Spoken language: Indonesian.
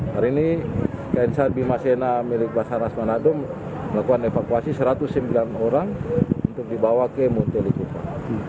hari ini kri bimasena milik basarnas menado melakukan evakuasi satu ratus sembilan orang untuk dibawa ke montelikupa